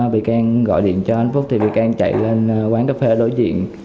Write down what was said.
bị can gọi điện cho anh phúc thì bị can chạy lên quán cà phê đối diện